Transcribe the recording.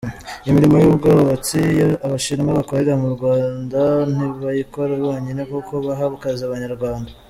Imirimo y’ ubwubatsi Abashinwa bakorera mu Rwanda ntibayikora bonyine kuko baha akazi Abanyarwanda.